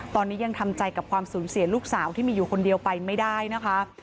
ตอนนี้ยังทำใจกับความสูญเสียลูกสาวที่มีอยู่คนเดียวไปไม่ได้นะคะ